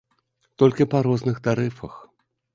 Толькі па розных тарыфах.